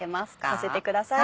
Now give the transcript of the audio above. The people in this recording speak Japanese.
させてください。